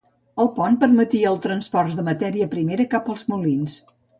El pont permetia el transport de matèria primera cap als molins.